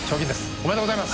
おめでとうございます。